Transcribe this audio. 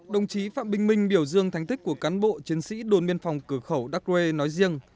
đồng chí phạm bình minh biểu dương thánh thích của cán bộ chiến sĩ đồn biên phòng cửa khẩu đắk rê nói riêng